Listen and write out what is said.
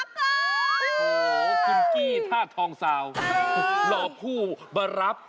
โอ้โหคุณกี้ธาตุทองสาวรอผู้มารับ